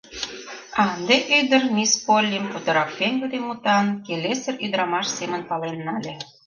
А ынде ӱдыр мисс Поллим путырак пеҥгыде мутан, келесыр ӱдырамаш семын пален нале.